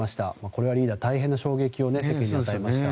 これはリーダー大変な衝撃を世間に与えました。